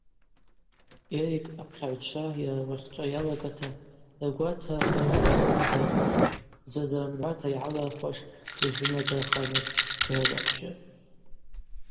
Эрик апхьагӏвчва йара уахьчӏва йалагата ргватра ркъаруква ззынадырхуш, бзазара мгӏвата йгӏалырхуаш йазынадырхарныс дрылабжьатӏ.